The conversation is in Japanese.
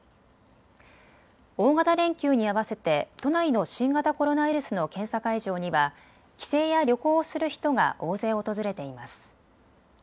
大型連休に合わせて都内の新型コロナウイルスの検査会場には帰省や旅行をする人が大勢訪れています。